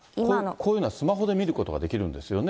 こういうのはスマホで見ることができるんですよね。